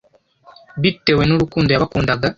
bitewe n'urukundo yabakundaga